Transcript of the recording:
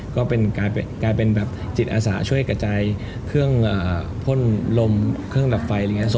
ก็กลายเป็นแบบจิตอาสาช่วยกระจายเครื่องพ่นลมเครื่องดับไฟอะไรอย่างนี้